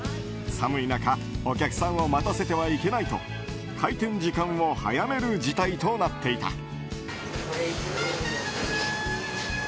寒い中、お客さんを待たせてはいけないと開店時間を早める事態となっていた。